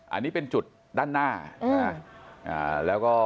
อันนี้เป็นจุดด้านหน้า